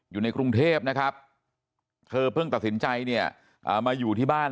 อยู่ในกรุงเทพนะครับเธอเพิ่งตัดสินใจเนี่ยมาอยู่ที่บ้าน